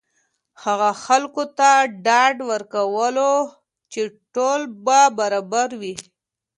هغه خلکو ته ډاډ ورکولو چې ټول به برابر وي.